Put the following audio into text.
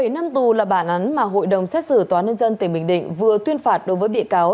bảy năm tù là bản án mà hội đồng xét xử tòa nhân dân tỉnh bình định vừa tuyên phạt đối với bị cáo